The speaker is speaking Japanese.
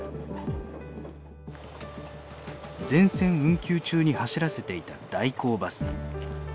全線運休中に走らせていた代行バス。